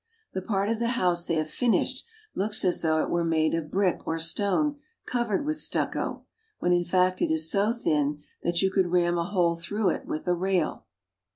The part of the house they have finished looks as though it were made of brick or stone covered with stucco, when in fact it is so thin that you could ram a hole through it with a rail.